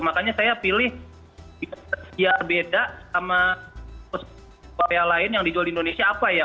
makanya saya pilih ya beda sama korea lain yang dijual di indonesia apa ya